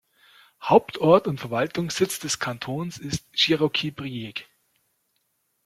Hauptort und Verwaltungssitz des Kantons ist Široki Brijeg.